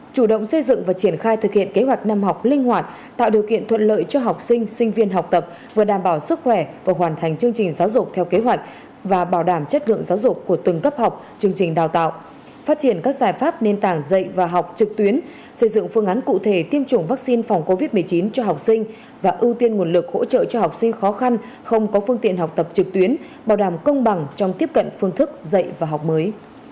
chủ động xây dựng và triển khai thực hiện kế hoạch năm học linh hoạt tạo điều kiện thuận lợi cho học sinh sinh viên học tập vừa đảm bảo sức khỏe và hoàn thành chương trình giáo dục theo kế hoạch và bảo đảm chất lượng giáo dục của từng cấp học chương trình đào tạo phát triển các giải pháp nền tảng dạy và học trực tuyến xây dựng phương án cụ thể tiêm chủng vaccine phòng covid một mươi chín cho học sinh và ưu tiên nguồn lực hỗ trợ cho học sinh khó khăn không có phương tiện học tập trực tuyến bảo đảm công bằng trong tiếp cận phương thức dạy và học mới